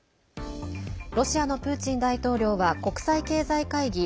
ロシアのプーチン大統領は国際経済会議